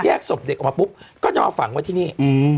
ศพเด็กออกมาปุ๊บก็จะเอาฝังไว้ที่นี่